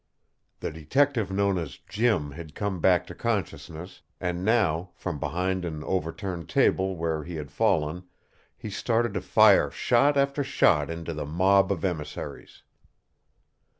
The detective known as Jim had come back to consciousness, and now, from behind an overturned table where he had fallen, he started to fire shot after shot into the mob of emissaries.